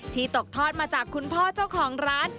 ตกทอดมาจากคุณพ่อเจ้าของร้าน